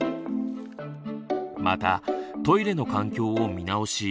またトイレの環境を見直し